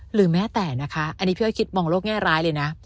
หรือแม้แต่นะคะอันนี้พี่อ้อยคิดมองโลกแง่ร้ายเลยนะ